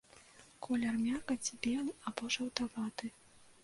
Колер мякаці белы або жаўтаваты.